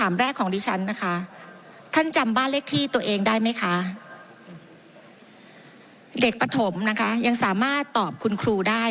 บ้านเลขที่ตัวเองได้ไหมคะเด็กปฐมนะคะยังสามารถตอบคุณครูได้